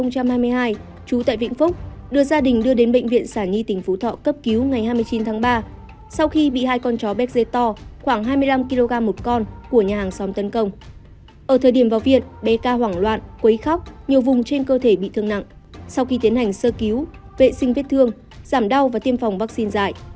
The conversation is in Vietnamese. sau khi tiến hành sơ cứu vệ sinh vết thương giảm đau và tiêm phòng vaccine dài